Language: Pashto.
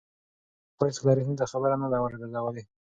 ما پخوا هېڅکله رحیم ته خبره نه ده ورګرځولې.